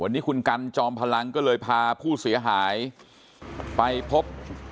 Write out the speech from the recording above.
วันนี้คุณกันจอมพลังก็เลยพาผู้เสียหายไปพบ